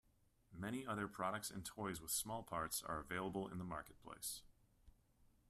Many other products and toys with small parts are available in the market place.